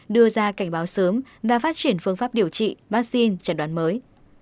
đưa ra cảnh báo sớm và phát triển phương pháp điều trị vaccine chẩn đoán mới